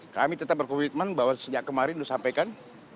kami tetap berkomitmen bahwa sejak kemarin sudah sampaikan